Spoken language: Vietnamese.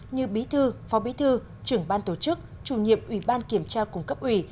như bí thư phó bí thư trưởng ban tổ chức chủ nhiệm ủy ban kiểm tra cung cấp ủy